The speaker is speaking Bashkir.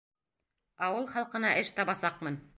Ауыл халҡына эш табасаҡмын.